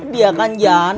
dia kan janda kang